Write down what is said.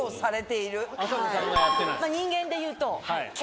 人間でいうと。